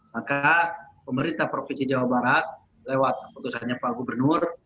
maka pemerintah provinsi jawa barat lewat keputusannya pak gubernur